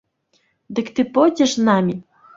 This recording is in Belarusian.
Дык ты пойдзеш з намі?